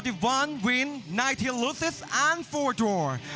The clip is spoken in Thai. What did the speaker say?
๓๑ชั้นชั้นนายเทียร์ลูซิสและฟอร์ดดรอร์